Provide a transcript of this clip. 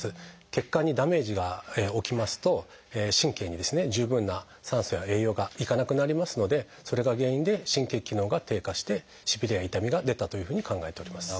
血管にダメージが起きますと神経に十分な酸素や栄養が行かなくなりますのでそれが原因で神経機能が低下してしびれや痛みが出たというふうに考えております。